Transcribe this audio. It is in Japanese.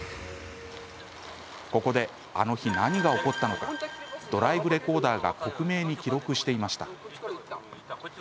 ここで、あの日何が起こったのかドライブレコーダーが克明に記録していました。